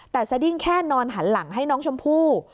แต่สดิ้งแค่นอนหันหลังให้น้องชมพู่